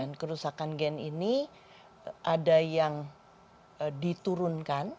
dan kerusakan gen ini ada yang diturunkan